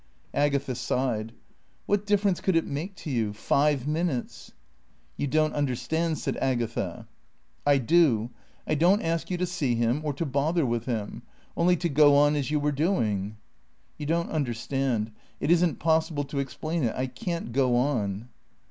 Agatha sighed. "What difference could it make to you five minutes?" "You don't understand," said Agatha. "I do. I don't ask you to see him, or to bother with him; only to go on as you were doing." "You don't understand. It isn't possible to explain it. I can't go on."